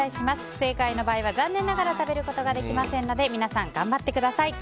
不正解の場合は残念ながら食べることができませんので皆さん、頑張ってください。